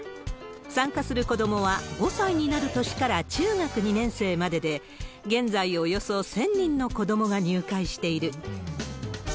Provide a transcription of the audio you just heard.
参加する子どもは５歳になる年から中学２年生までで、現在およそ１０００人の子どもが入会している。